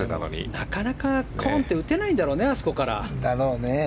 なかなかポンッて打てないんだろうねあそこから。